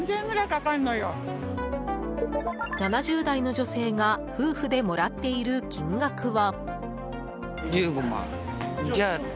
７０代の女性が夫婦でもらっている金額は。